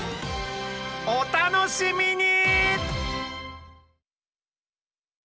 お楽しみに！